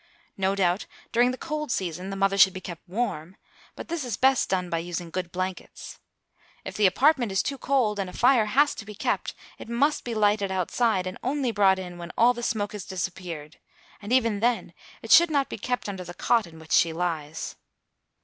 No doubt, during the cold season, the mother should be kept warm, but this is best done by using good blankets. If the apartment is too cold and a fire has to be kept, it must be lighted outside and only brought in when all the smoke has disappeared, and even then it should not be kept under the cot on which she lies.